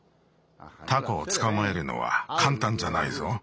タコをつかまえるのはかんたんじゃないぞ。